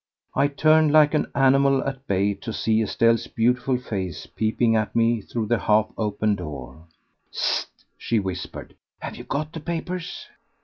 I turned like an animal at bay to see Estelle's beautiful face peeping at me through the half open door. "Hist!" she whispered. "Have you got the papers?"